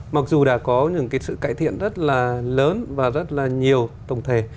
mặc dù đã có những cái sự cải thiện rất là lớn và rất là nhiều tổng thể